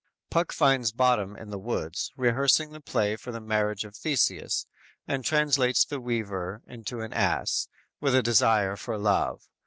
"_ Puck finds Bottom in the woods, rehearsing the play for the marriage of Theseus, and translates the weaver into an ass, with a desire for love.